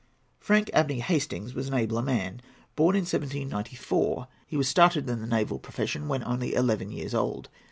] Frank Abney Hastings was an abler man. Born in 1794, he was started in the naval profession when only eleven years old.